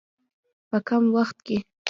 په کم وخت کې.